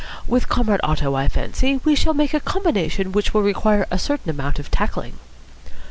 With Comrade Otto I fancy we shall make a combination which will require a certain amount of tackling."